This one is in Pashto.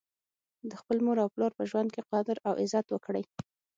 د خپل مور او پلار په ژوند کي قدر او عزت وکړئ